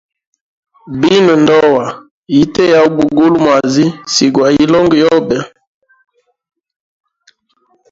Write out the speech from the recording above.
Binwe ndoa yite ya ubugula mwazi si gwa hilongo yobe.